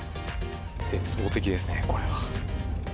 絶望的ですね、これは。